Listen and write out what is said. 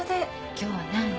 今日は何？